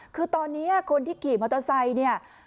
คือตอนนี้คนที่ขี่มอเตอร์ไซค์เนี่ย